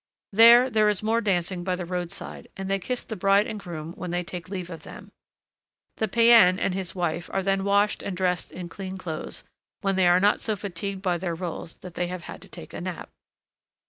There, there is more dancing by the roadside, and they kiss the bride and groom when they take leave of them. The païen and his wife are then washed and dressed in clean clothes, when they are not so fatigued by their rôles that they have had to take a nap.